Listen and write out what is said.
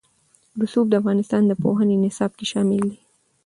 رسوب د افغانستان د پوهنې نصاب کې شامل دي.